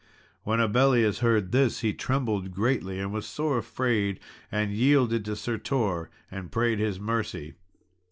When Abellius heard this, he trembled greatly, and was sore afraid, and yielded to Sir Tor, and prayed his mercy.